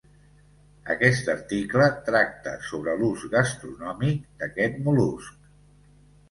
Aquest article tracta sobre l'ús gastronòmic d'aquest mol·lusc.